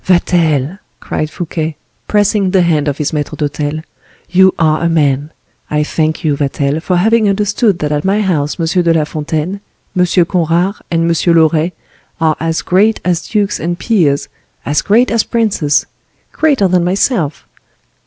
"Vatel," cried Fouquet, pressing the hand of his maitre d'hotel, "you are a man! I thank you, Vatel, for having understood that at my house M. de la Fontaine, M. Conrart, and M. Loret are as great as dukes and peers, as great as princes, greater than myself.